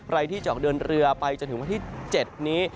ใครที่จะออกเดินเรือไปจนถึงวันที่๗นี้